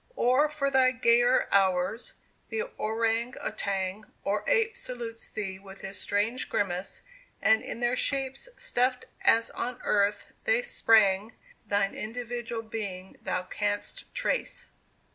Or for thy gayer hours, the orang outang Or ape salutes thee with his strange grimace, And in their shapes, stuffed as on earth they sprang, Thine individual being thou canst trace!